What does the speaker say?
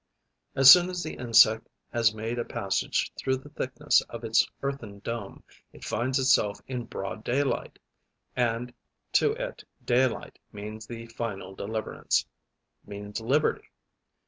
As soon as the insect has made a passage through the thickness of its earthen dome, it finds itself in broad daylight; and to it daylight means the final deliverance, means liberty.